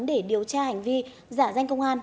để điều tra hành vi giả danh công an